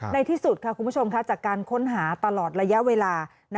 ในที่สุดค่ะคุณผู้ชมจากการค้นหาตลอดระยะเวลา